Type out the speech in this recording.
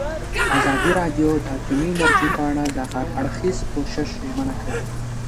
ازادي راډیو د اټومي انرژي په اړه د هر اړخیز پوښښ ژمنه کړې.